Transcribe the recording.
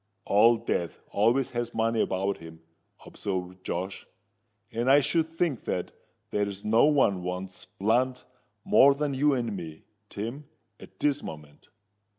"Old Death always has money about him," observed Josh; "and I should think that there's no one wants blunt more than you and me, Tim, at this moment."